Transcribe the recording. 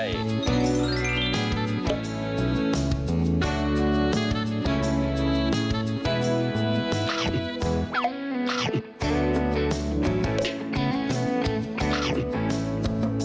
อีกประมาณสัก๕๖ชั่วโมง